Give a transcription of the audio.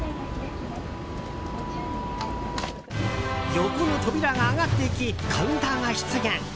横の扉が上がっていきカウンターが出現。